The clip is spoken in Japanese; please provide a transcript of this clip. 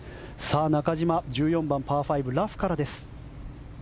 中島、１４番、パー５ラフからです。